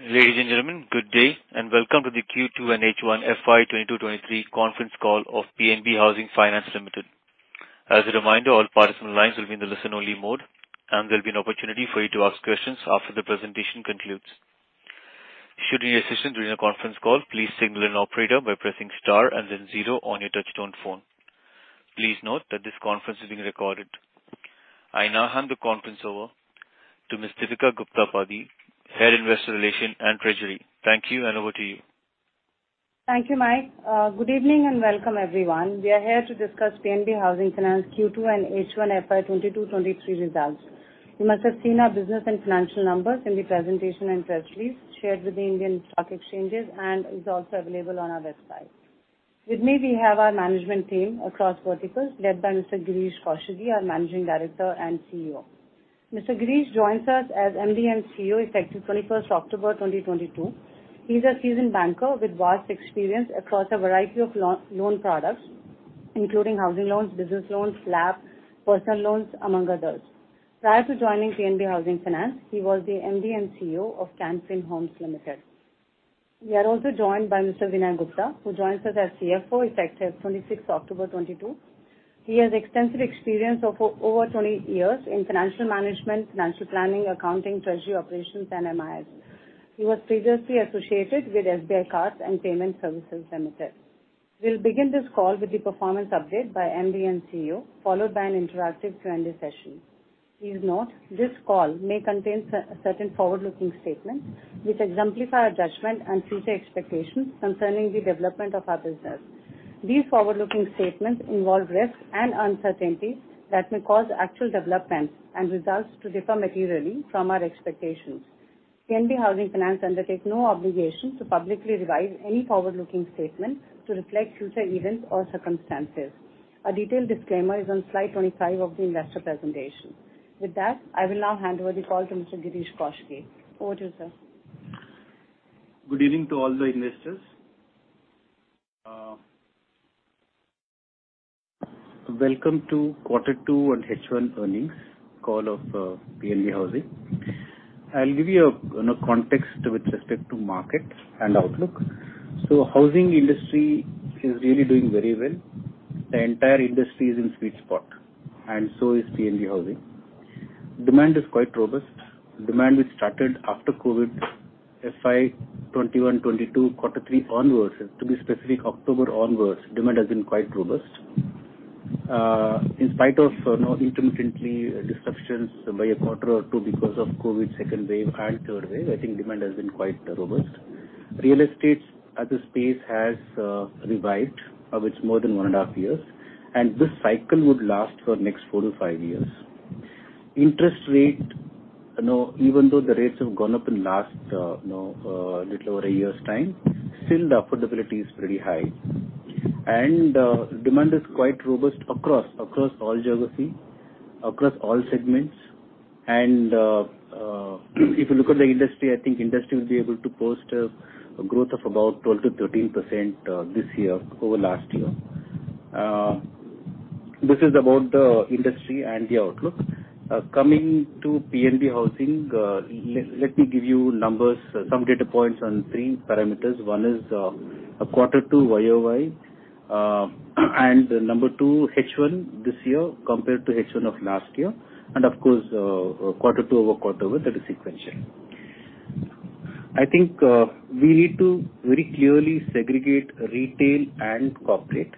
Ladies and gentlemen, good day and welcome to the Q2 and H1 FY 2022/2023 conference call of PNB Housing Finance Limited. As a reminder, all parties on the lines will be in the listen-only mode, and there'll be an opportunity for you to ask questions after the presentation concludes. Should you need assistance during our conference call, please signal an operator by pressing star and then zero on your touchtone phone. Please note that this conference is being recorded. I now hand the conference over to Ms. Deepika Gupta Padhi, Head of Investor Relations and Treasury. Thank you, and over to you. Thank you, Mike. Good evening and welcome everyone. We are here to discuss PNB Housing Finance Q2 and H1 FY 2022/2023 results. You must have seen our business and financial numbers in the presentation and press release shared with the Indian stock exchanges and is also available on our website. With me we have our management team across verticals led by Mr. Girish Kousgi, our Managing Director and CEO. Mr. Girish Kousgi joins us as MD and CEO effective 21st October 2022. He's a seasoned banker with vast experience across a variety of loan products, including housing loans, business loans, LAP, personal loans, among others. Prior to joining PNB Housing Finance, he was the MD and CEO of Can Fin Homes Limited. We are also joined by Mr. Vinay Gupta, who joins us as CFO effective 26th October 2022. He has extensive experience of over 20 years in financial management, financial planning, accounting, treasury operations and MIS. He was previously associated with SBI Cards and Payment Services Limited. We'll begin this call with the performance update by MD and CEO, followed by an interactive Q&A session. Please note, this call may contain certain forward-looking statements which exemplify our judgment and future expectations concerning the development of our business. These forward-looking statements involve risks and uncertainties that may cause actual developments and results to differ materially from our expectations. PNB Housing Finance undertakes no obligation to publicly revise any forward-looking statements to reflect future events or circumstances. A detailed disclaimer is on slide 25 of the investor presentation. With that, I will now hand over the call to Mr. Girish Kousgi. Over to you, sir. Good evening to all the investors. Welcome to Q2 and H1 earnings call of PNB Housing. I'll give you a, you know, context with respect to market and outlook. Housing industry is really doing very well. The entire industry is in sweet spot, and so is PNB Housing. Demand is quite robust. Demand which started after Covid FY 2021/2022, Q3 onwards, and to be specific, October onwards, demand has been quite robust. In spite of, you know, intermittently disruptions by a Q2 because of Covid second wave and third wave, I think demand has been quite robust. Real estate as a space has revived, which more than one and a half years, and this cycle would last for next four to five years. Interest rate, you know, even though the rates have gone up in the last, little over a year's time, still the affordability is pretty high. Demand is quite robust across all geography, across all segments. If you look at the industry, I think industry will be able to post a growth of about 12% to 13%, this year over last year. This is about the industry and the outlook. Coming to PNB Housing, let me give you numbers, some data points on three parameters. One is Q2 YOY, and number two, H1 this year compared to H1 of last year and of course,Q2 over Q1, that is sequential. I think, we need to very clearly segregate retail and corporate.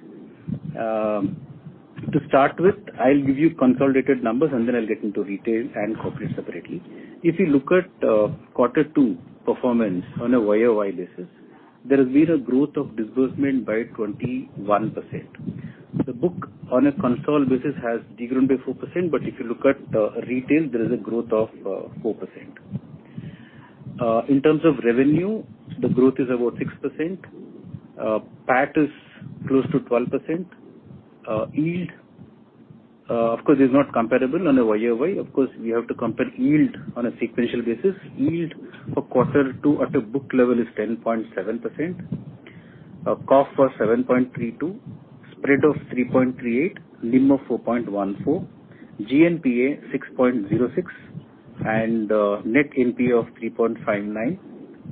To start with, I'll give you consolidated numbers, and then I'll get into retail and corporate separately. If you look at Q2 performance on a YOY basis, there has been a growth of disbursement by 21%. The book on a consolidated basis has de-grown by 4%, but if you look at retail, there is a growth of 4%. In terms of revenue, the growth is about 6%. PAT is close to 12%. Yield, of course, is not comparable on a YOY. Of course, we have to compare yield on a sequential basis. Yield for Q2 at a book level is 10.7%. Cost was 7.32%. Spread of 3.38%. NIM of 4.14%. GNPA 6.06%. Net NPA of 3.59%.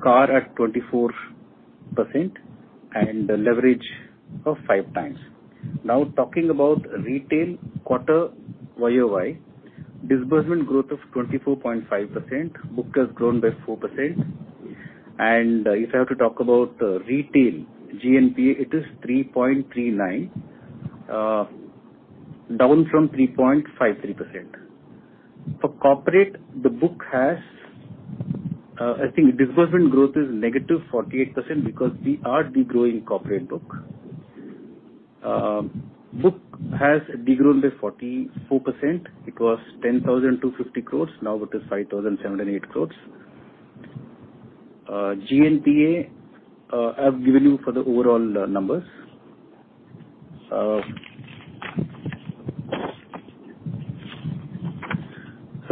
CAR at 24%. Leverage of 5x. Now talking about retail quarter YOY, disbursement growth of 24.5%. Book has grown by 4%. If I have to talk about retail GNPA, it is 3.39%, down from 3.53%. For corporate, the book has, I think disbursement growth is negative 48% because we are de-growing corporate book. Book has de-grown by 44%. It was 10,250 crores, now it is 5,780 crores. GNPA, I've given you for the overall numbers.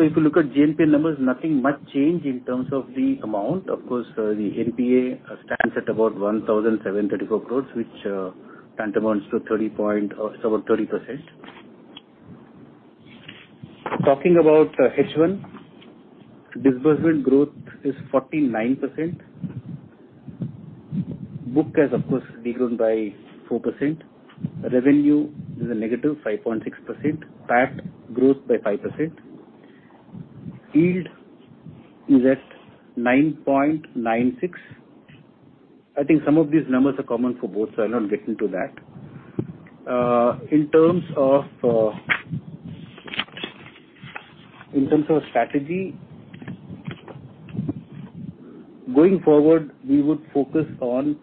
If you look at GNPA numbers, nothing much change in terms of the amount. Of course, the NPA stands at about 1,734 crores, which in turn amounts to 30 point... It's about 30%. Talking about H1, disbursement growth is 49%. Book has, of course, de-grown by 4%. Revenue is -5.6%. PAT growth by 5%. Yield is at 9.96%. I think some of these numbers are common for both, so I'll not get into that. In terms of strategy, going forward, we would focus on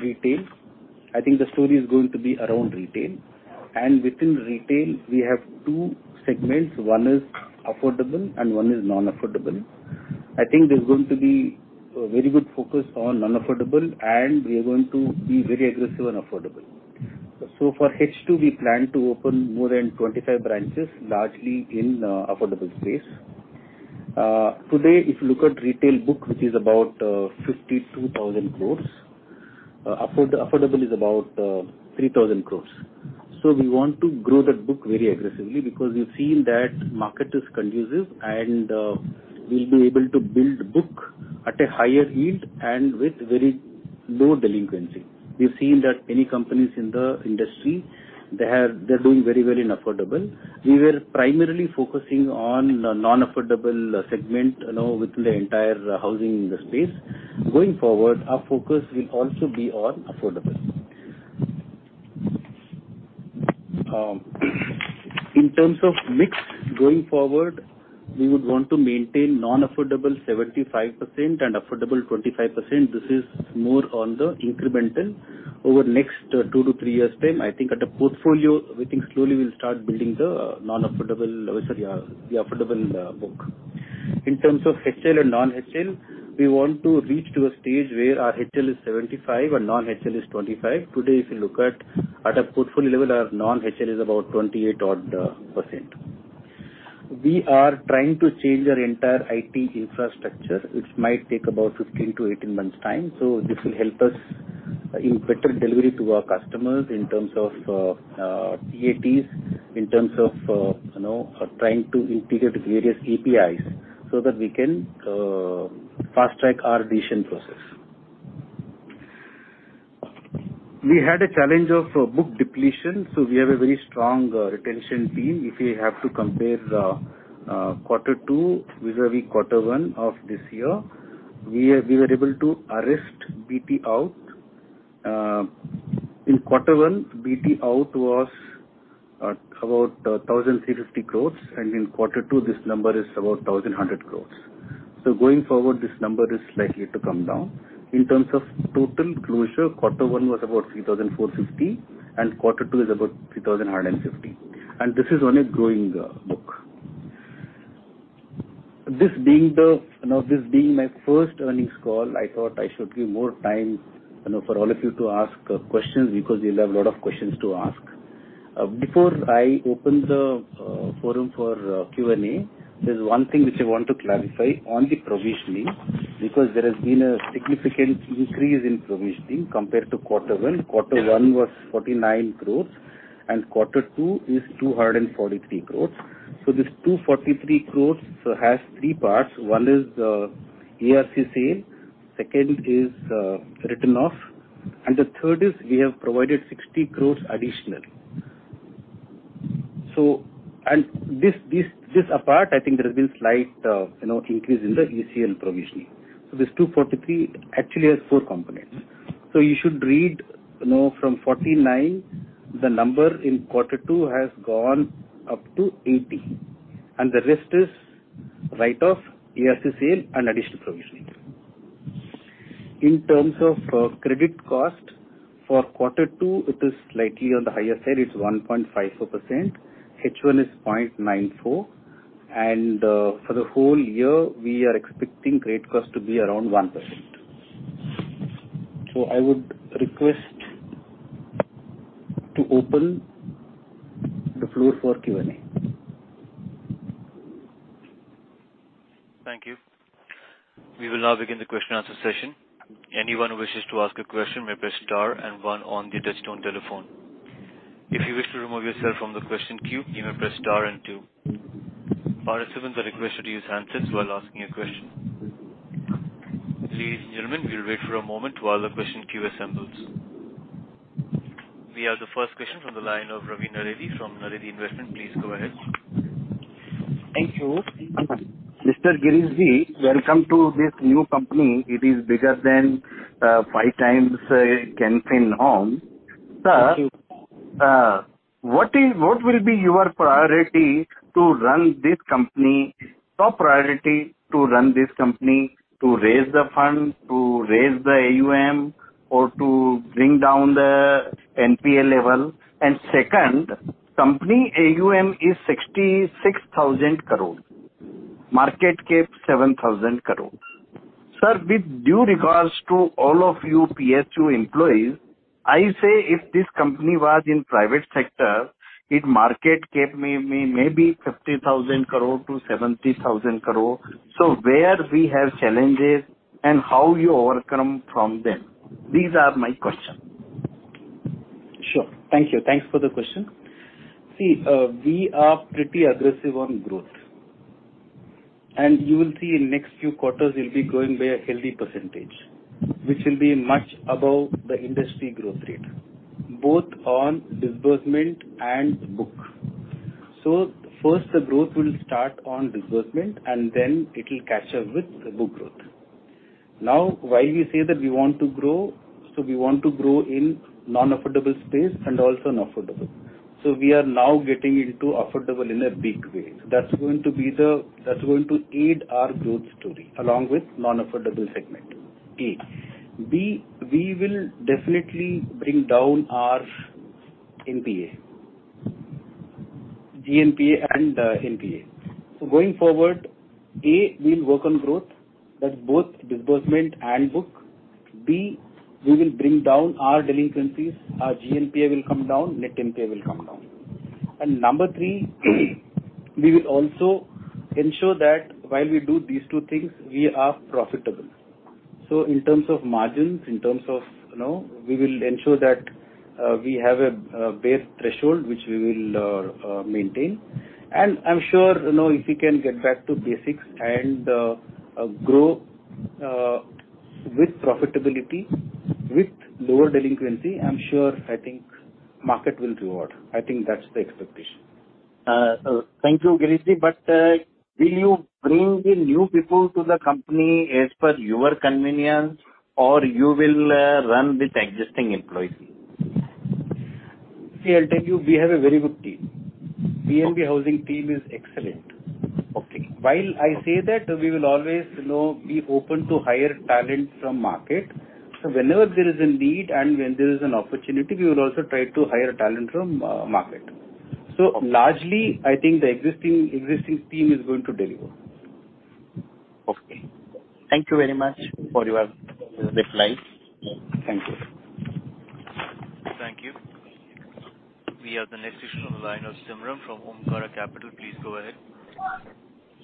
retail. I think the story is going to be around retail, and within retail we have two segments. One is affordable and one is non-affordable. I think there's going to be a very good focus on non-affordable, and we are going to be very aggressive on affordable. For H2, we plan to open more than 25 branches, largely in affordable space. Today, if you look at retail book, which is about 52,000 crore, affordable is about 3,000 crore. We want to grow that book very aggressively because we've seen that market is conducive and we'll be able to build book at a higher yield and with very low delinquency. We've seen that many companies in the industry, they're doing very well in affordable. We were primarily focusing on the non-affordable segment, you know, within the entire housing space. Going forward, our focus will also be on affordable. In terms of mix going forward, we would want to maintain non-affordable 75% and affordable 25%. This is more on the incremental. Over next two to three years time, I think at a portfolio, we will start building the affordable book. In terms of HL and non-HL, we want to reach to a stage where our HL is 75 and non-HL is 25. Today, if you look at a portfolio level, our non-HL is about 28% odd. We are trying to change our entire IT infrastructure, which might take about 15 to 18 months time, so this will help us in better delivery to our customers in terms of TATs, in terms of you know, trying to integrate with various APIs so that we can fast-track our decision process. We had a challenge of book depletion, so we have a very strong retention team. If we have to compare the Q2 vis-a-vis Q1 of this year, we were able to arrest BT out. In Q1, BT out was about 1,350 crore, and in Q1 this number is about 1,100 crore. Going forward this number is likely to come down. In terms of total closure, Q1 was about 3,450 crore and Q2 is about 3,150 crore, and this is on a growing book. Now this being my first earnings call, I thought I should give more time, you know, for all of you to ask questions because you'll have a lot of questions to ask. Before I open the forum for Q&A, there's one thing which I want to clarify on the provisioning, because there has been a significant increase in provisioning compared to Q1. Q1 was 49 crore and Q2 is 243 crore. This 243 crores has three parts. One is ARC, second is write-off, and the third is we have provided 60 crores additional. This apart, I think there has been slight you know increase in the ECL provisioning. This 243 crore actually has four components. You should read you know from 49 crores, the number in Q2 has gone up to 80 crores, and the rest is write-off, ARC, and additional provisioning. In terms of credit cost, for Q2 it is slightly on the higher side, it's 1.54%, H1 is 0.94%, and for the whole year we are expecting credit cost to be around 1%. I would request to open the floor for Q&A. Thank you. We will now begin the question answer session. Anyone who wishes to ask a question may press star and one on the touchtone telephone. If you wish to remove yourself from the question queue, you may press star and two. Participants are requested to use handsets while asking a question. Ladies and gentlemen, we'll wait for a moment while the question queue assembles. We have the first question from the line of Ravi Naredi from Naredi Investment. Please go ahead. Thank you. Mr. Girish Kousgi, welcome to this new company. It is bigger than 5x Can Fin Homes. Sir, what will be your priority to run this company, top priority to run this company? To raise the fund, to raise the AUM, or to bring down the NPA level? Second, company AUM is 66,000 crore. Market cap, 7,000 crore. Sir, with due regards to all of you PSU employees, I say if this company was in private sector, its market cap may be 50,000 crore to 70,000 crore. Where we have challenges and how you overcome from them? These are my questions. Sure. Thank you. Thanks for the question. See, we are pretty aggressive on growth. You will see in next few quarters we'll be growing by a healthy percentage, which will be much above the industry growth rate, both on disbursement and book. First the growth will start on disbursement, and then it'll catch up with the book growth. Now, why we say that we want to grow, so we want to grow in non-affordable space and also in affordable. We are now getting into affordable in a big way. That's going to aid our growth story along with non-affordable segment, A. B, we will definitely bring down our NPA, GNPA and NPA. Going forward, A, we'll work on growth. That's both disbursement and book. B, we will bring down our delinquencies. Our GNPA will come down, net NPA will come down. Number three, we will also ensure that while we do these two things, we are profitable. In terms of margins, you know, we will ensure that we have a base threshold which we will maintain. I'm sure, you know, if we can get back to basics and grow with profitability, with lower delinquency, I'm sure I think market will reward. I think that's the expectation. Thank you, Girish. Will you bring the new people to the company as per your convenience or you will run with existing employees? See, I'll tell you, we have a very good team. PNB Housing team is excellent. Okay. While I say that, we will always, you know, be open to hire talent from market. Whenever there is a need and when there is an opportunity, we will also try to hire talent from market. Largely, I think the existing team is going to deliver. Okay. Thank you very much for your reply. Thank you. Thank you. We have the next question on the line of Simran from Omkara Capital. Please go ahead.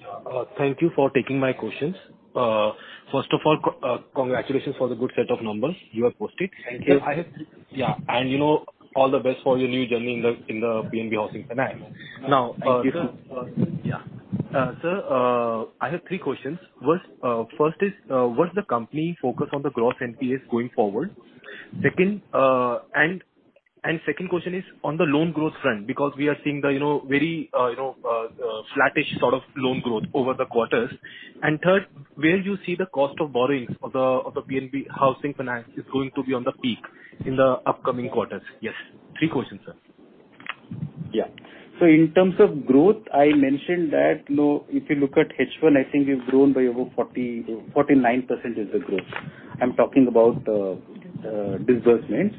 Sure. Thank you for taking my questions. First of all, congratulations for the good set of numbers you have posted. Thank you. You know, all the best for your new journey in the PNB Housing Finance. Thank you. Now, sir. Yeah. Sir, I have three questions. First, what's the company focus on the gross NPAs going forward? Second, and second question is on the loan growth front, because we are seeing the, you know, very, you know, flattish sort of loan growth over the quarters. Third, where you see the cost of borrowings of the PNB Housing Finance is going to be on the peak in the upcoming quarters? Yes. Three questions, sir. Yeah. In terms of growth, I mentioned that, you know, if you look at H1, I think we've grown by about 49% is the growth. I'm talking about disbursements.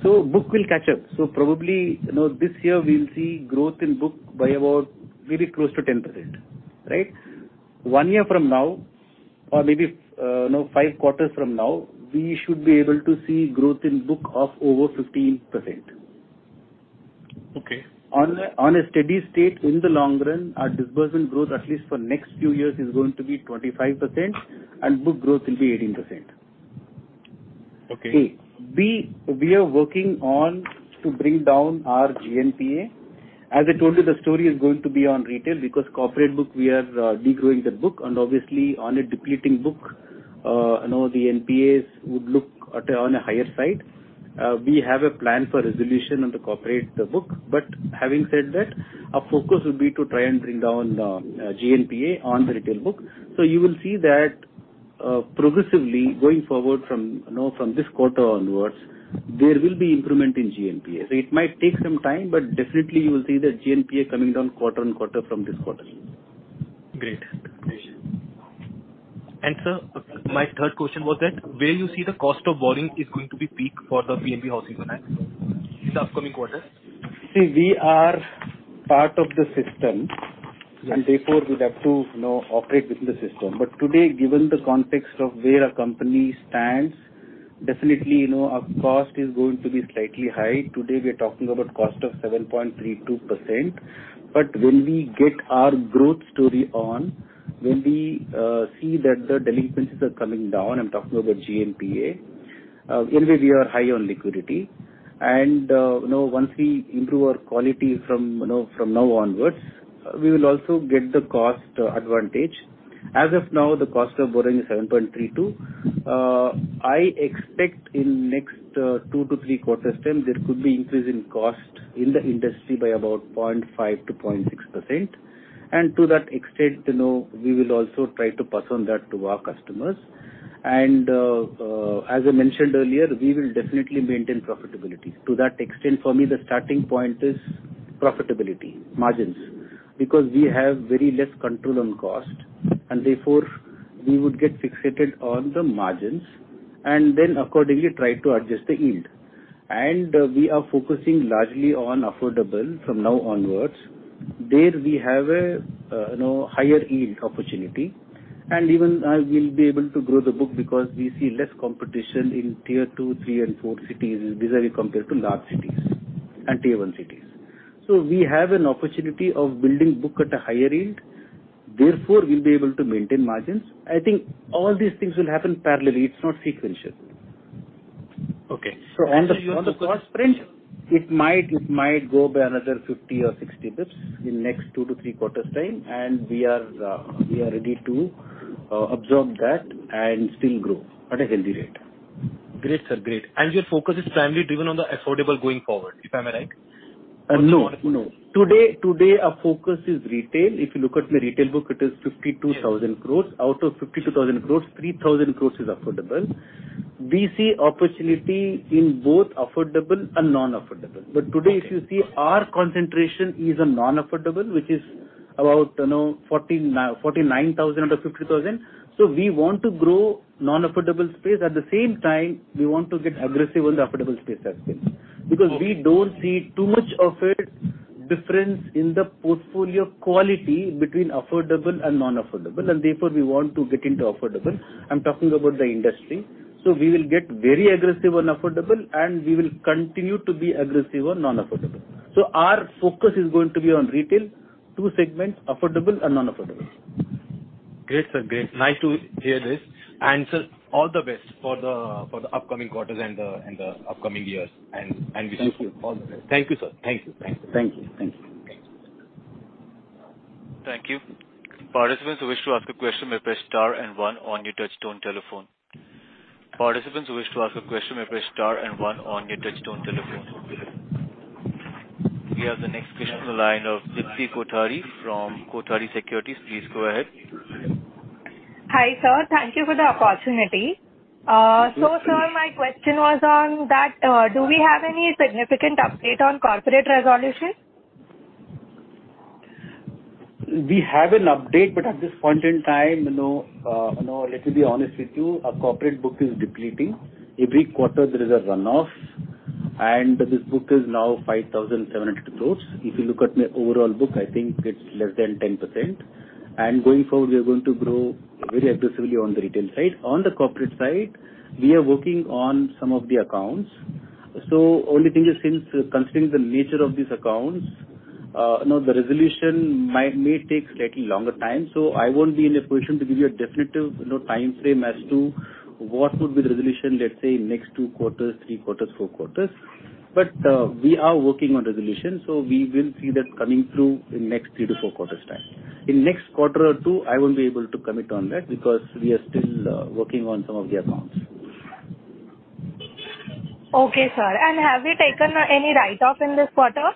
Book will catch up. Probably, you know, this year we'll see growth in book by about maybe close to 10%, right? One year from now or maybe, you know, five quarters from now, we should be able to see growth in book of over 15%. Okay. In a steady state in the long run, our disbursement growth, at least for next few years, is going to be 25% and book growth will be 18%, A. Okay. B., we are working on to bring down our GNPA. As I told you, the story is going to be on retail because corporate book we are de-growing the book and obviously on a depleting book, you know, the NPAs would look on the higher side. We have a plan for resolution on the corporate book. Having said that, our focus will be to try and bring down GNPA on the retail book. You will see that, progressively going forward from, you know, from this quarter onwards, there will be improvement in GNPA. It might take some time, but definitely you will see the GNPA coming down quarter and quarter from this quarter. Great. Sir, my third question was that where you see the cost of borrowing is going to be peak for the PNB Housing Finance in the upcoming quarters? See, we are part of the system. Yes. Therefore we'd have to, you know, operate within the system. Today, given the context of where our company stands, definitely, you know, our cost is going to be slightly high. Today, we are talking about cost of 7.32%. When we get our growth story on, when we see that the delinquencies are coming down, I'm talking about GNPA, anyway we are high on liquidity. You know, once we improve our quality from, you know, from now onwards, we will also get the cost advantage. As of now, the cost of borrowing is 7.32%. I expect in next two to three quarters' time, there could be increase in cost in the industry by about 0.5% to 0.6%. To that extent, you know, we will also try to pass on that to our customers. As I mentioned earlier, we will definitely maintain profitability. To that extent, for me, the starting point is profitability, margins, because we have very less control on cost and therefore we would get fixated on the margins and then accordingly try to adjust the yield. We are focusing largely on affordable from now onwards. There we have a, you know, higher yield opportunity. Even, we'll be able to grow the book because we see less competition in tier two, three and four cities vis-à-vis compared to large cities and tier one cities. We have an opportunity of building book at a higher yield. Therefore, we'll be able to maintain margins. I think all these things will happen parallelly. It's not sequential. Okay. On the cost front, it might go by another 50 basis points or 60 basis points in next two to three quarter time, and we are ready to absorb that and still grow at a healthy rate. Great, sir. Great. Your focus is primarily driven on the affordable going forward, if I'm right? Today, our focus is retail. If you look at my retail book, it is 52,000 crores. Out of 52,000 crores, 3,000 crores is affordable. We see opportunity in both affordable and non-affordable. Today, if you see, our concentration is on non-affordable, which is about, you know, 49,000 out of 50,000. We want to grow non-affordable space. At the same time, we want to get aggressive on the affordable space as well. Because we don't see too much of a difference in the portfolio quality between affordable and non-affordable, and therefore, we want to get into affordable. I'm talking about the industry. We will get very aggressive on affordable, and we will continue to be aggressive on non-affordable. Our focus is going to be on retail, two segments, affordable and non-affordable. Great, sir. Great. Nice to hear this. Sir, all the best for the upcoming quarters and the upcoming years. Wish you all the best. Thank you, sir. Thank you. Thank you. Thank you. Thank you. Thank you. Participants who wish to ask a question may press star and one on your touchtone telephone. Participants who wish to ask a question may press star and one on your touchtone telephone. We have the next question on the line of Dipti Kothari from Kothari Securities. Please go ahead. Hi, sir. Thank you for the opportunity. Sir, my question was on that, do we have any significant update on corporate resolution? We have an update, but at this point in time, you know, you know, let me be honest with you, our corporate book is depleting. Every quarter there is a runoff, and this book is now 5,700 crores. If you look at my overall book, I think it's less than 10%. Going forward, we are going to grow very aggressively on the retail side. On the corporate side, we are working on some of the accounts. Only thing is, since considering the nature of these accounts, the resolution might, may take slightly longer time. I won't be in a position to give you a definitive, you know, timeframe as to what would be the resolution, let's say, in next Q2, Q3, Q4. We are working on resolution, so we will see that coming through in next three to four quarter time time. In next Q2, I won't be able to commit on that because we are still working on some of the accounts. Okay, sir. Have you taken any write-off in this quarter?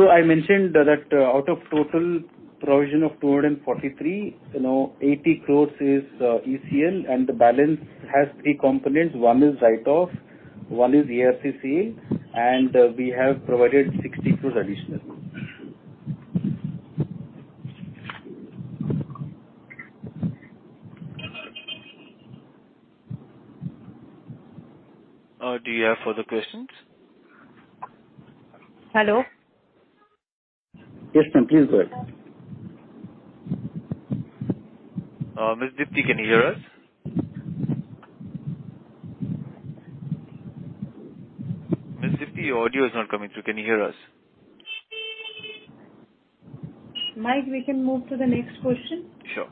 I mentioned that out of total provision of 243 crore, you know, 80 crore is ECL, and the balance has three components. One is write-off, one is ARCC, and we have provided 60 crore additional. Do you have further questions? Hello? Yes, ma'am. Please go ahead. Ms. Deepti, can you hear us? Ms. Deepti, your audio is not coming through. Can you hear us? Mike, we can move to the next question. Sure.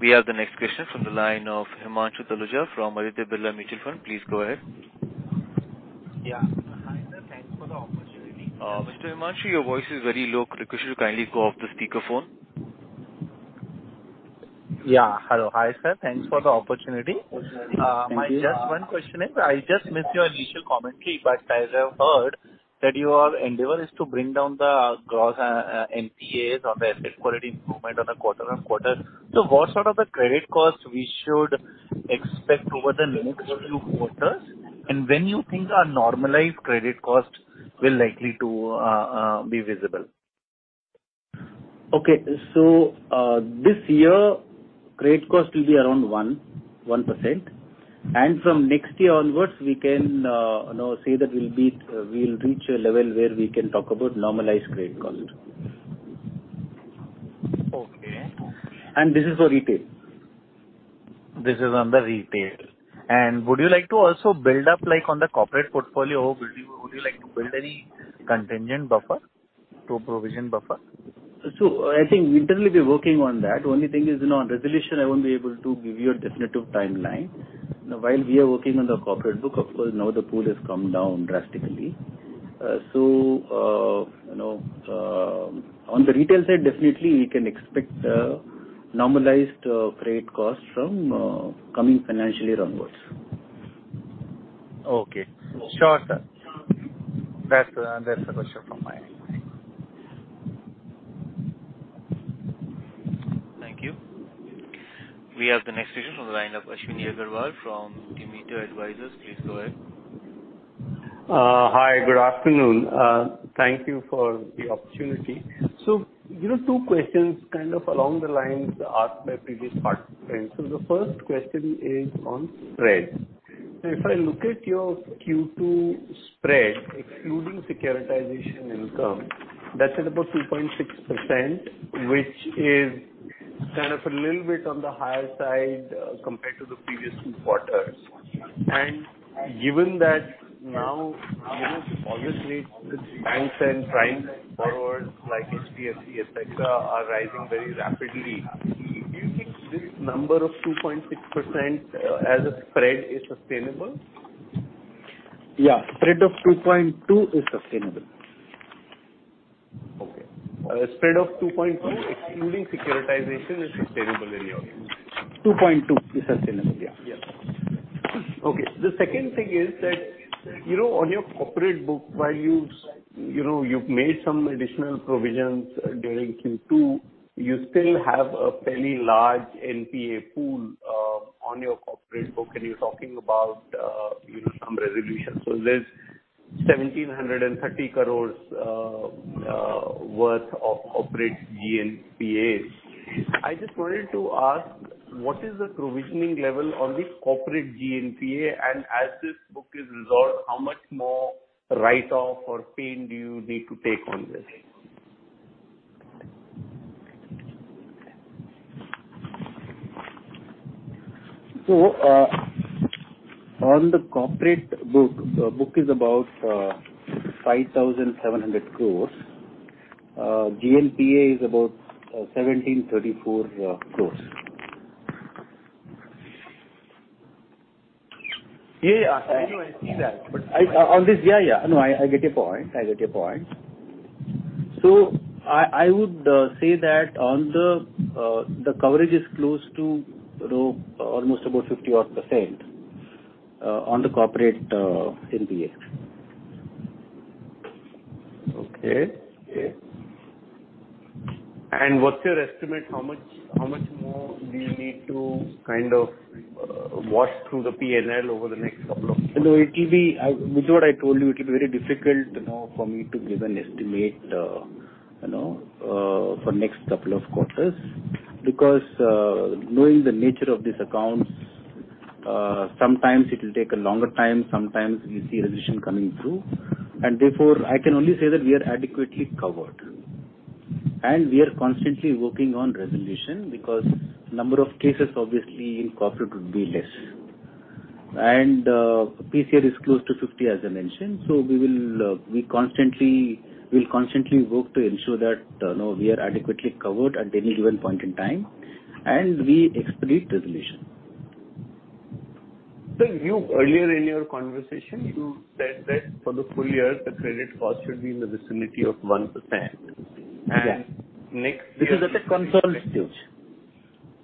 We have the next question from the line of Himanshu Taluja from Aditya Birla Mutual Fund. Please go ahead. Yeah. Hi, sir. Thanks for the opportunity. Mr. Himanshu, your voice is very low. Request you to kindly go off the speaker phone. Yeah. Hello. Hi, sir. Thanks for the opportunity. Thank you. I just have one question. I just missed your initial commentary, but as I have heard that your endeavor is to bring down the gross NPAs or the asset quality improvement on a quarter-on-quarter. What sort of a credit cost we should expect over the next few quarters, and when you think our normalized credit cost will likely to be visible? Okay. This year, credit cost will be around 1%. From next year onwards, we can, you know, say that we'll reach a level where we can talk about normalized credit cost. Okay. This is for retail. This is on the retail. Would you like to also build up, like, on the corporate portfolio, would you like to build any contingent buffer to provision buffer? I think internally we're working on that. Only thing is, you know, on resolution, I won't be able to give you a definitive timeline. You know, while we are working on the corporate book, of course, now the pool has come down drastically. On the retail side, definitely we can expect normalized credit cost from coming FY onwards. Okay. Sure, sir. That's the question from my end. Thank you. We have the next question on the line of Ashwini Agarwal from Demeter Advisors. Please go ahead. Hi. Good afternoon. Thank you for the opportunity. You know, two questions kind of along the lines asked by previous participants. The first question is on spread. If I look at your Q2 spread, excluding securitization income, that's at about 2.6%, which is kind of a little bit on the higher side, compared to the previous two quarters. Given that now, you know, obviously with banks and prime borrowers like HDFC, et cetera, are rising very rapidly, do you think this number of 2.6%, as a spread, is sustainable? Yeah. Spread of 2.2% is sustainable. Okay. A spread of 2.2% excluding securitization is sustainable in your view. 2.2% is sustainable, yeah. Yes. Okay. The second thing is that, you know, on your corporate book, while you've, you know, you've made some additional provisions during Q2, you still have a fairly large NPA pool on your corporate book, and you're talking about, you know, some resolution. There's 1,730 crores worth of corporate GNPA. I just wanted to ask, what is the provisioning level on this corporate GNPA? And as this book is resolved, how much more write-off or pain do you need to take on this? On the corporate book, the book is about 5,700 crore. GNPA is about 1,734 crore. Yeah, yeah. I know, I see that. Yeah. No, I get your point. I would say that the coverage is close to, you know, almost about 51% on the corporate NPA. Okay. What's your estimate? How much more do you need to kind of wash through the P&L over the next couple No, it'll be with what I told you, it'll be very difficult, you know, for me to give an estimate, you know, for next couple of quarters because, knowing the nature of these accounts, sometimes it'll take a longer time, sometimes you see resolution coming through. Therefore, I can only say that we are adequately covered. We are constantly working on resolution because number of cases obviously in corporate would be less. PCR is close to 50, as I mentioned. We'll constantly work to ensure that, you know, we are adequately covered at any given point in time, and we expedite resolution. You, earlier in your conversation you said that for the full year the credit cost should be in the vicinity of 1%. Yeah. Next year. This is at a consolidated stage.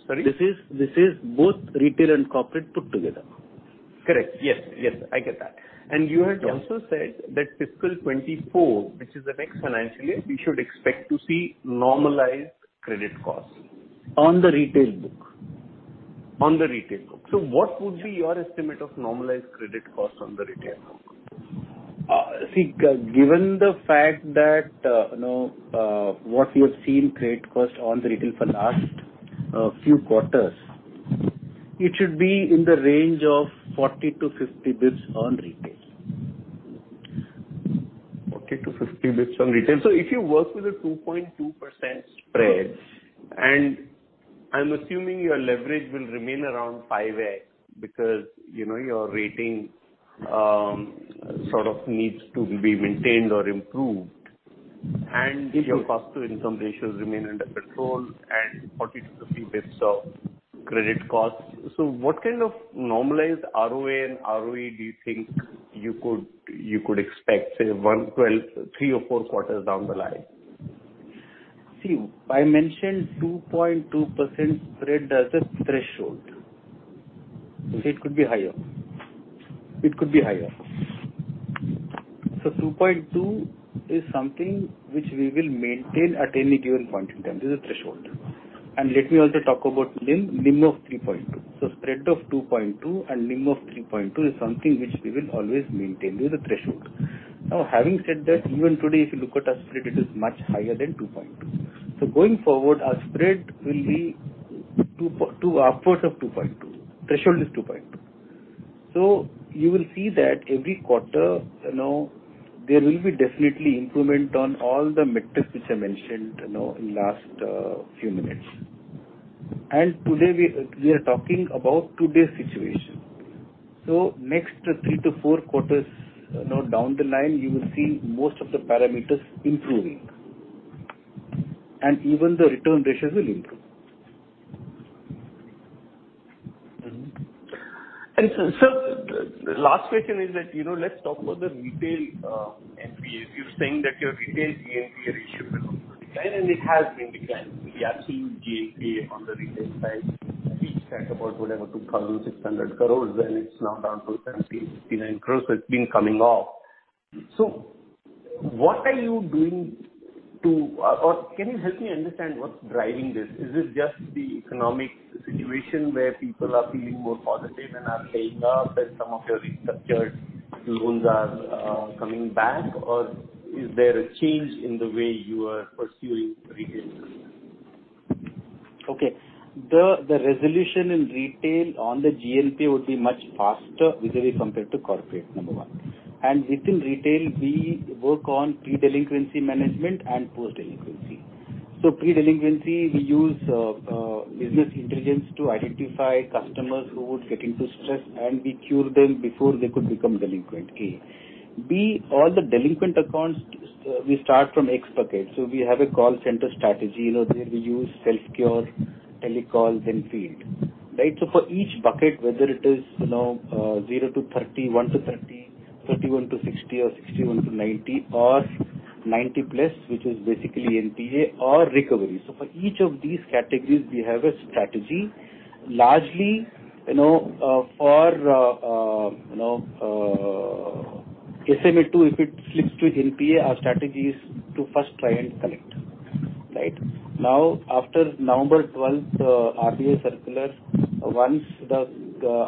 Sorry? This is both retail and corporate put together. Correct. Yes. Yes. I get that. Yeah. You had also said that fiscal 2024, which is the next financial year, we should expect to see normalized credit costs. On the retail book. On the retail book. What would be your estimate of normalized credit costs on the retail book? See, given the fact that you know what you have seen credit cost on the retail for last few quarters, it should be in the range of 40 basis points to 50 basis points on retail. 40 basis points to 50 basis points on retail. If you work with a 2.2% spread, and I'm assuming your leverage will remain around 5x because, you know, your rating sort of needs to be maintained or improved. If your cost to income ratios remain under control and 40 basis points to 50 basis points of credit costs. What kind of normalized ROA and ROE do you think you could expect, say, one to two, Q3 to Q4 down the line? See, I mentioned 2.2% spread as a threshold. Okay. It could be higher. 2.2% is something which we will maintain at any given point in time. This is the threshold. Let me also talk about NIM. NIM of 3.2%. Spread of 2.2% and NIM of 3.2% is something which we will always maintain. This is the threshold. Now, having said that, even today if you look at our spread, it is much higher than 2.2%. Going forward, our spread will be 2.2% upwards of 2.2%. Threshold is 2.2%. You will see that every quarter, you know, there will be definitely improvement on all the metrics which I mentioned, you know, in last few minutes. Today we are talking about today's situation. Next three to four quarters, you know, down the line, you will see most of the parameters improving. Even the return ratios will improve. Sir, the last question is that, you know, let's talk about the retail NPA. You're saying that your retail GNPA ratio will also decline, and it has been declining. We have seen GNPA on the retail side peaked at about whatever, INR 2,600 crores, and it's now down to INR 769 crores, so it's been coming off. What are you doing, or can you help me understand what's driving this? Is it just the economic situation where people are feeling more positive and are paying up as some of your restructured loans are coming back? Or is there a change in the way you are pursuing retail GNPA? The resolution in retail on the GNPA would be much faster vis-à-vis compared to corporate, number one. Within retail, we work on pre-delinquency management and post-delinquency. Pre-delinquency, we use business intelligence to identify customers who would get into stress, and we cure them before they could become delinquent, A. B, all the delinquent accounts, we start from X bucket. We have a call center strategy. You know, there we use self cure, tele calls then field, right? For each bucket, whether it is, you know, 0 to 30, 1 to 30, 31 to 60 or 61 to 90 or 90+, which is basically NPA or recovery. For each of these categories we have a strategy. Largely, you know, for you know, SMA2, if it flips to NPA, our strategy is to first try and collect, right? Now, after November twelfth, RBI circular, once the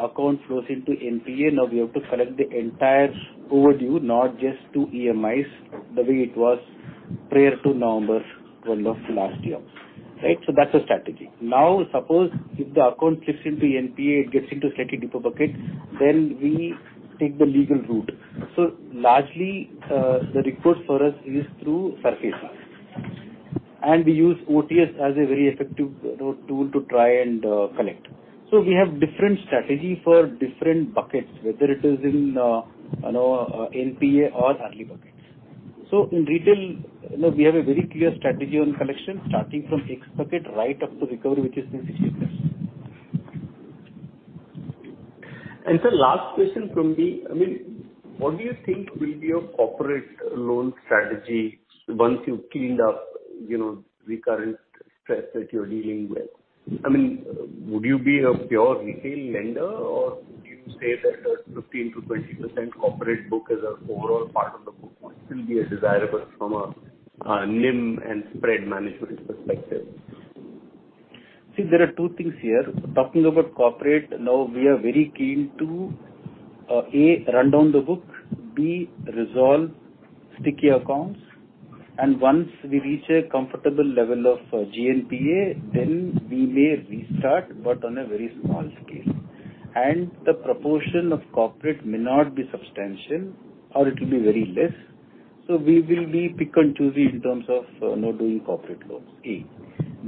account flows into NPA, now we have to collect the entire overdue, not just two EMIs, the way it was prior to November twelfth of last year, right? That's the strategy. Now, suppose if the account flips into NPA, it gets into slightly deeper bucket, then we take the legal route. Largely, the recourse for us is through SARFAESI. We use OTS as a very effective, you know, tool to try and collect. We have different strategy for different buckets, whether it is in, you know, NPA or early buckets. In retail, you know, we have a very clear strategy on collection, starting from X bucket right up to recovery, which is in stages. Sir, last question from me. I mean, what do you think will be your corporate loan strategy once you've cleaned up, you know, recurrent stress that you're dealing with? I mean, would you be a pure retail lender, or would you say that a 15% to 20% corporate book as an overall part of the book would still be desirable from a NIM and spread management perspective? See, there are two things here. Talking about corporate, now we are very keen to A, run down the book, B, resolve sticky accounts. Once we reach a comfortable level of GNPA, then we may restart, but on a very small scale. The proportion of corporate may not be substantial or it will be very less. We will be pick and choosy in terms of, you know, doing corporate loans, A.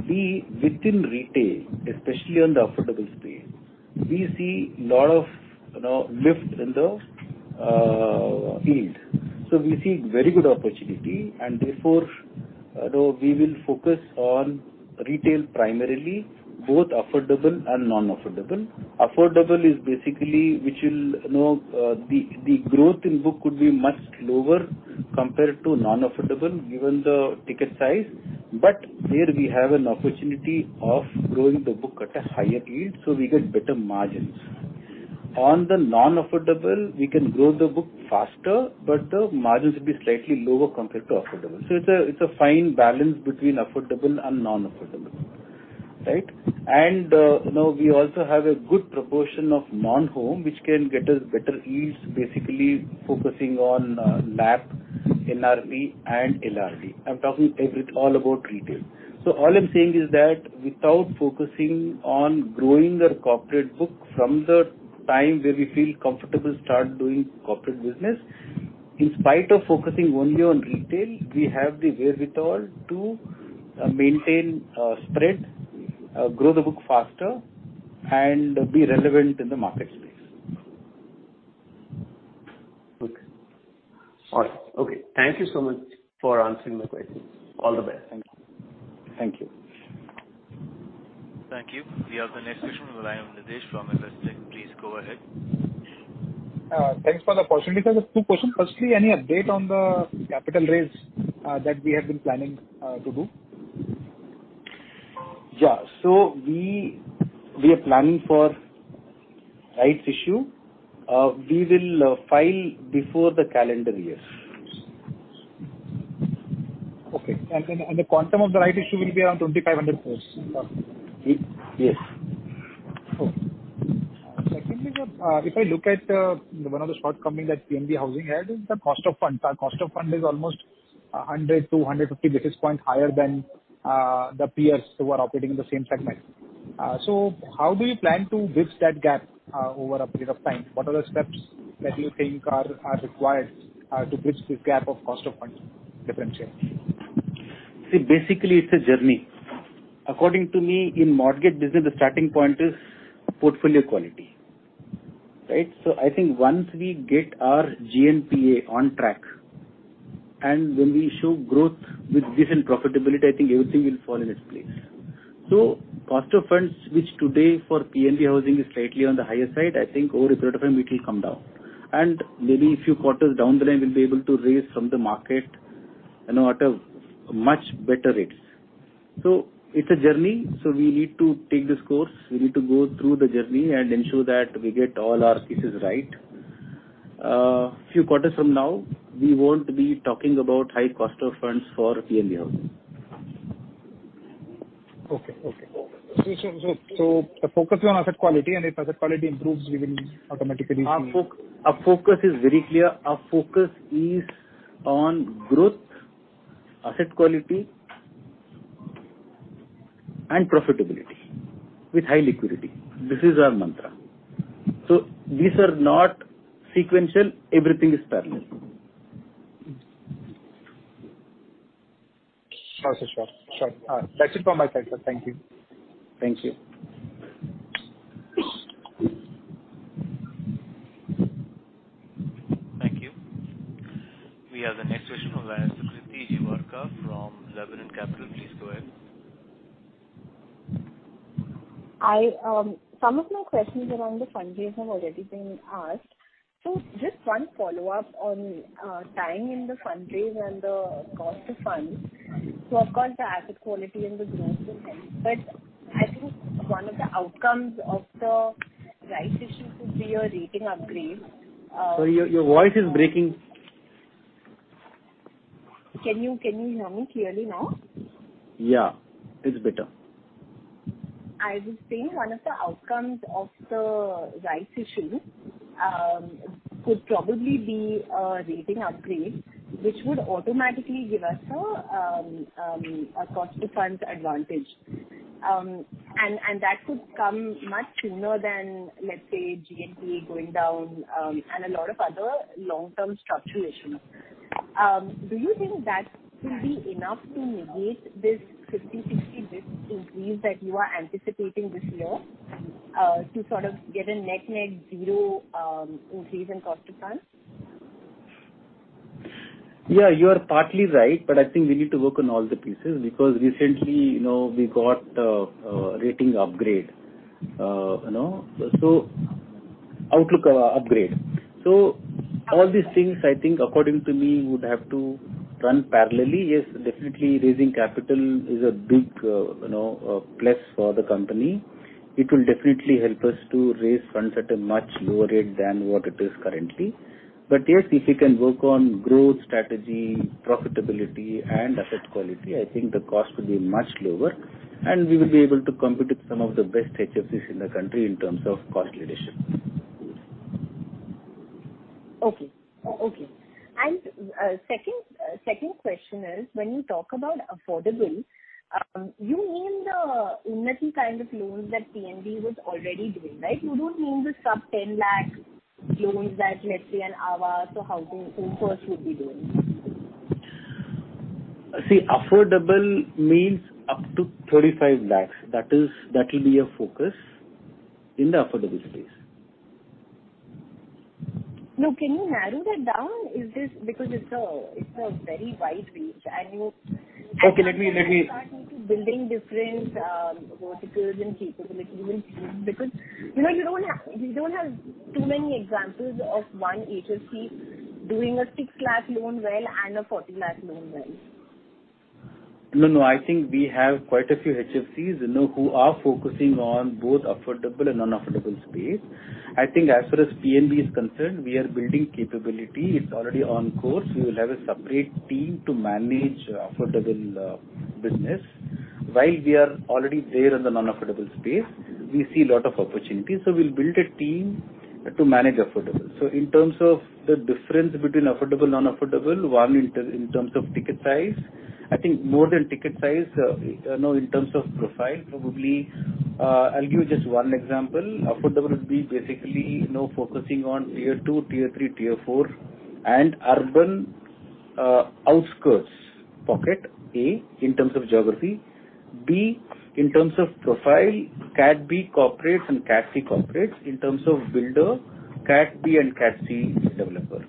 B, within retail, especially on the affordable space, we see lot of, you know, lift in the yield. We see very good opportunity and therefore, you know, we will focus on retail primarily, both affordable and non-affordable. Affordable is basically, you know, the growth in book could be much lower compared to non-affordable given the ticket size, but there we have an opportunity of growing the book at a higher yield, so we get better margins. On the non-affordable, we can grow the book faster, but the margins will be slightly lower compared to affordable. It's a fine balance between affordable and non-affordable, right? You know, we also have a good proportion of non-home, which can get us better yields, basically focusing on LAP, NRV and LRD. I'm talking all about retail. All I'm saying is that without focusing on growing the corporate book from the time where we feel comfortable start doing corporate business, in spite of focusing only on retail, we have the wherewithal to maintain spread, grow the book faster and be relevant in the market space. Good. All right. Okay. Thank you so much for answering my questions. All the best. Thank you. Thank you. We have the next question from the line of Nitesh from Investec. Please go ahead. Thanks for the opportunity, sir. Just two questions. Firstly, any update on the capital raise that we have been planning to do? Yeah. We are planning for rights issue. We will file before the calendar year. The quantum of the rights issue will be around 2,500 crore? Yes. Okay, secondly, sir, if I look at one of the shortcomings that PNB Housing had is the cost of funds. Cost of funds is almost 100 basis points to 150 basis points higher than the peers who are operating in the same segment. How do you plan to bridge that gap over a period of time? What are the steps that you think are required to bridge this gap of cost of funds differential? See, basically it's a journey. According to me in mortgage business, the starting point is portfolio quality, right? I think once we get our GNPA on track, and when we show growth with decent profitability, I think everything will fall in its place. Cost of funds, which today for PNB Housing is slightly on the higher side, I think over a period of time it will come down. Maybe a few quarters down the line we'll be able to raise from the market, you know, at a much better rates. It's a journey, so we need to take this course. We need to go through the journey and ensure that we get all our pieces right. Few quarters from now, we won't be talking about high cost of funds for PNB Housing. Okay. The focus is on asset quality, and if asset quality improves, we will automatically see. Our focus is very clear. Our focus is on growth, asset quality and profitability with high liquidity. This is our mantra. These are not sequential. Everything is parallel. Okay, sure. That's it from my side, sir. Thank you. Thank you. Thank you. We have the next question on line from Kriti Jiwarka from Labyrinth Capital. Please go ahead. I, some of my questions around the fundraise have already been asked. Just one follow-up on, timing the fundraise and the cost of funds. Of course, the asset quality and the growth will help, but I think one of the outcomes of the rights issue could be a rating upgrade. Sorry, your voice is breaking. Can you hear me clearly now? Yeah, it's better. I would say one of the outcomes of the rights issue could probably be a rating upgrade, which would automatically give us a cost to funds advantage. That could come much sooner than, let's say, GNPA going down and a lot of other long-term structural issues. Do you think that will be enough to mitigate this 50 basis points to 60 basis points increase that you are anticipating this year to sort of get a net-net zero increase in cost to funds? Yeah, you are partly right, but I think we need to work on all the pieces because recently, you know, we got a rating upgrade, you know. Outlook upgrade. All these things, I think, according to me, would have to run parallelly. Yes, definitely raising capital is a big plus for the company. It will definitely help us to raise funds at a much lower rate than what it is currently. Yes, if we can work on growth strategy, profitability and asset quality, I think the cost will be much lower, and we will be able to compete with some of the best HFCs in the country in terms of cost leadership. Okay. Second question is, when you talk about affordable, you mean the Unnati kind of loans that PNB was already doing, right? You don't mean the sub-INR 10 lakh loans that, let's say, [inaudible] would be doing. See, affordable means up to 35 lakh. That will be a focus in the affordable space. No, can you narrow that down? Because it's a very wide range and you- Okay. Let me. You start building different verticals and capabilities in loans because, you know, you don't have too many examples of one HFC doing a 6 lakh loan well and a 40 lakh loan well. No, no, I think we have quite a few HFCs, you know, who are focusing on both affordable and non-affordable space. I think as far as PNB is concerned, we are building capability. It's already on course. We will have a separate team to manage affordable business. While we are already there in the non-affordable space, we see lot of opportunities. We'll build a team to manage affordable. In terms of the difference between affordable and unaffordable, one in terms of ticket size. I think more than ticket size, you know, in terms of profile, probably, I'll give you just one example. Affordable would be basically, you know, focusing on tier two, tier three, tier four and urban outskirts pocket, A, in terms of geography. B, in terms of profile, Cat B corporates and Cat C corporates. In terms of builder, Cat B and Cat C developer.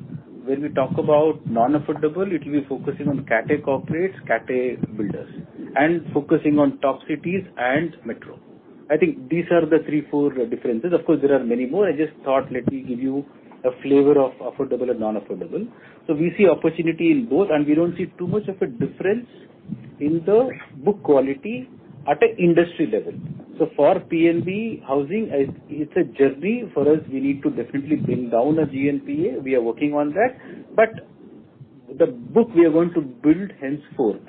When we talk about non-affordable, it will be focusing on Cat A corporates, Cat A builders, and focusing on top cities and metro. I think these are the three, four differences. Of course, there are many more. I just thought, let me give you a flavor of affordable and non-affordable. We see opportunity in both, and we don't see too much of a difference in the book quality at a industry level. For PNB Housing, it's a journey. For us, we need to definitely bring down a GNPA. We are working on that. The book we are going to build henceforth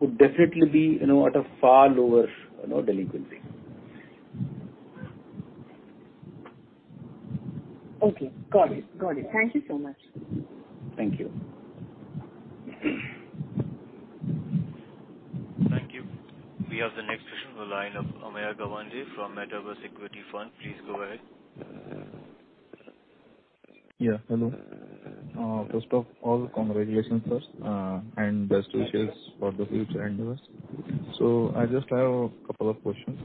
would definitely be, you know, at a far lower, you know, delinquency. Okay. Got it. Thank you so much. Thank you. Thank you. We have the next question on line of Ameya Gawande from Metaverse Equity Fund. Please go ahead. Yeah. Hello. First of all, congratulations, sir, and best wishes for the future endeavors. I just have a couple of questions.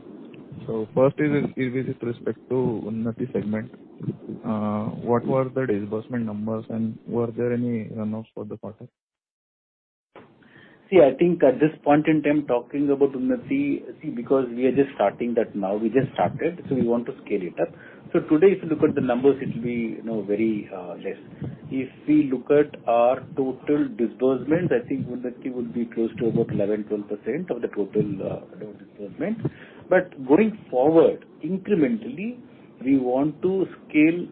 First is with respect to Unnati segment. What were the disbursement numbers, and were there any run-offs for the quarter? I think at this point in time, talking about Unnati. Because we are just starting that now. We just started, so we want to scale it up. Today, if you look at the numbers, it'll be, you know, very less. If we look at our total disbursement, I think Unnati would be close to about 11% to 12% of the total loan disbursement. Going forward, incrementally, we want to scale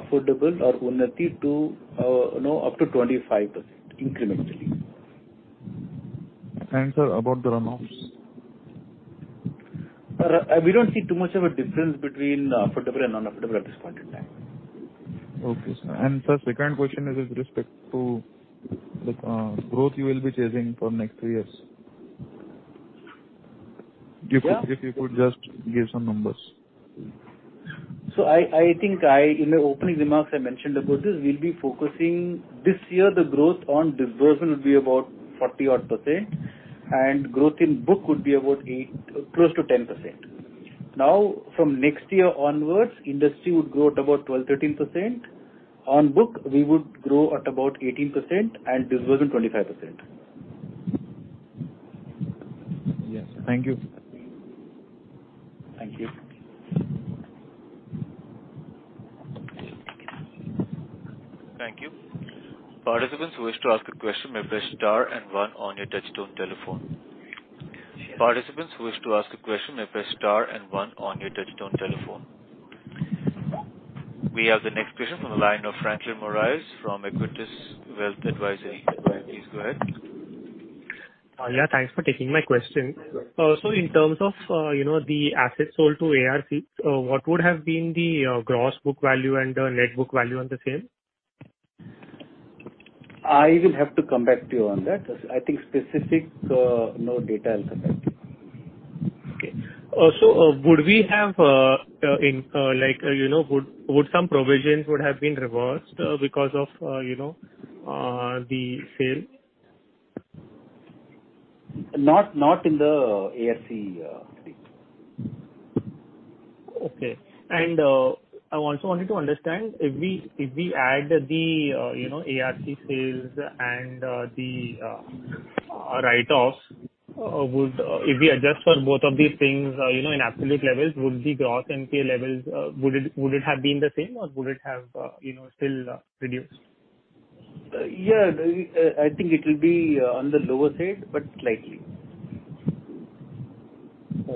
affordable or Unnati to, you know, up to 25% incrementally. Sir, about the run-offs? We don't see too much of a difference between affordable and non-affordable at this point in time. Okay, sir. Sir, second question is with respect to the growth you will be chasing for next three years. Yeah. If you could just give some numbers. I think in the opening remarks I mentioned about this. We'll be focusing this year the growth on disbursement will be about 40% odd, and growth in book would be about 8%, close to 10%. Now, from next year onwards, industry would grow at about 12%, 13%. On book, we would grow at about 18% and disbursement 25%. Yes. Thank you. Thank you. Thank you. Participants who wish to ask a question may press star and one on your touchtone telephone. Participants who wish to ask a question may press star and one on your touchtone telephone. We have the next question from the line of Franklin Moraes from Equentis Wealth Advisory. Please go ahead. Yeah, thanks for taking my question. So in terms of, you know, the assets sold to ARC, what would have been the gross book value and the net book value on the sale? I will have to come back to you on that. I think specific, no data. I'll come back to you. Okay. Like, you know, would some provisions have been reversed because of, you know, the sale? Not in the ARC. Okay. I also wanted to understand if we add the, you know, ARC sales and the write-offs, if we adjust for both of these things, you know, in absolute levels, would the gross NPA levels have been the same or would it have, you know, still reduced? Yeah. The I think it will be on the lower side, but slightly.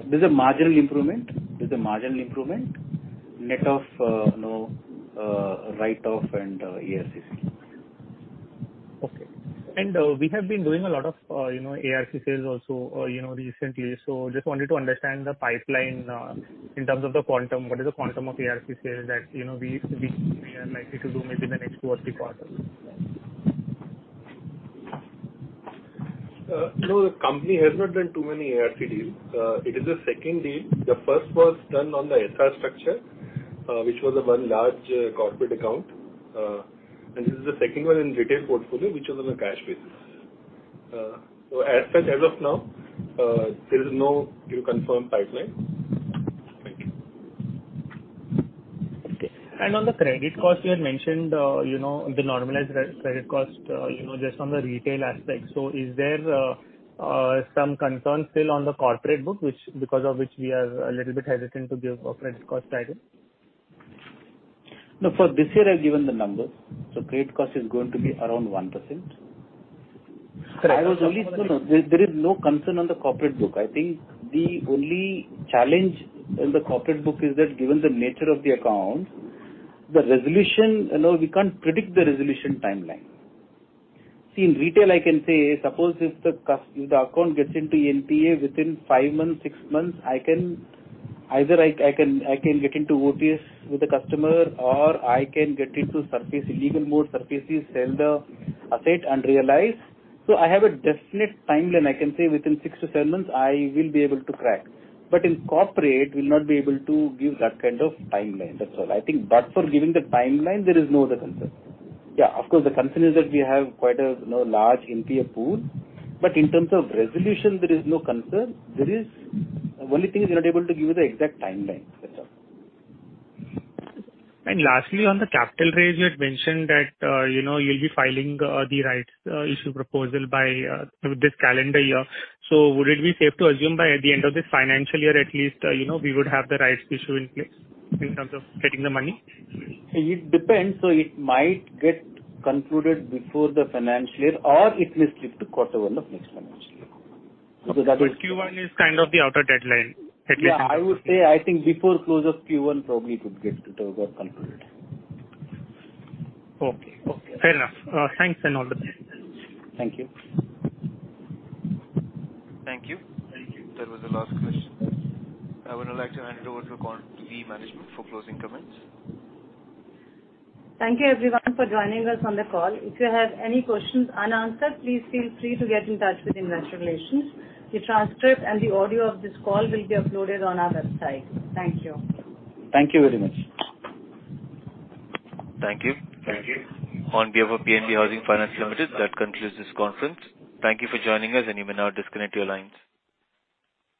There's a marginal improvement. Net of, you know, write-off and ECL. Okay. We have been doing a lot of, you know, ARC sales also, you know, recently. Just wanted to understand the pipeline, in terms of the quantum. What is the quantum of ARC sales that, you know, we are likely to do maybe in the next two or three quarters? No, the company has not done too many ARC deals. It is the second deal. The first was done on the SR structure, which was one large, corporate account. This is the second one in retail portfolio, which was on a cash basis. As such, as of now, there is no new confirmed pipeline. Thank you. Okay. On the credit cost, you had mentioned, you know, the normalized credit cost, you know, just on the retail aspect. Is there some concern still on the corporate book, which, because of which we are a little bit hesitant to give a credit cost guidance? No, for this year I've given the numbers. Credit cost is going to be around 1%. Correct. No, no. There is no concern on the corporate book. I think the only challenge in the corporate book is that given the nature of the account, the resolution, you know, we can't predict the resolution timeline. See, in retail, I can say, suppose if the account gets into NPA within five months, six months, I can either get into OTS with the customer, or I can get into SARFAESI, even more so foreclose, sell the asset and realize. So I have a definite timeline. I can say within six to seven months I will be able to crack. In corporate we'll not be able to give that kind of timeline. That's all. I think but for giving the timeline, there is no other concern. Yeah, of course, the concern is that we have quite a, you know, large NPA pool, but in terms of resolution, there is no concern. There is. Only thing is we're not able to give you the exact timeline. That's all. Lastly, on the capital raise, you had mentioned that, you know, you'll be filing the rights issue proposal by this calendar year. Would it be safe to assume by the end of this financial year at least, you know, we would have the rights issue in place in terms of getting the money? It depends. It might get concluded before the financial year or it may slip to quarter one of next financial year. Q1 is kind of the outer deadline, at least. Yeah. I would say, I think before close of Q1 probably it would get concluded. Okay. Fair enough. Thanks and all the best. Thank you. Thank you. Thank you. That was the last question. I would now like to hand over to the management for closing comments. Thank you everyone for joining us on the call. If you have any questions unanswered, please feel free to get in touch with investor relations. The transcript and the audio of this call will be uploaded on our website. Thank you. Thank you very much. Thank you. Thank you. On behalf of PNB Housing Finance Limited, that concludes this conference. Thank you for joining us, and you may now disconnect your lines.